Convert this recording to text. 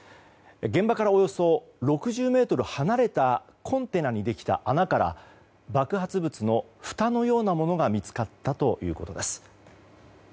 現場からおよそ６０ｍ離れたコンテナにできた穴から爆発物のふたのようなものが見つかったということです。